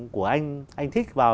của anh thích vào